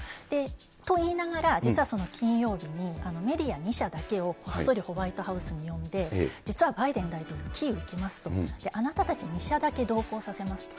と言いながら、実は金曜日に、メディア２社だけをキーウに行きますと、こっそりホワイトハウスに呼んで、実はバイデン大統領キーウ行きますと、あなたたち２社だけ同行させますと。